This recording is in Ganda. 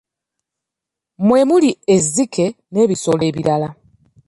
Mwe muli ezzike n'ebisolo ebirala.